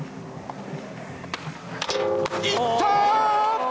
いったー！